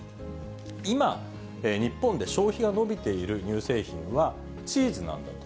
今、日本で消費が伸びている乳製品はチーズなんだと。